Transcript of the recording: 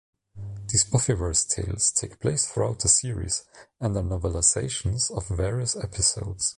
These Buffyverse tales take place throughout the series and are novelizations of various episodes.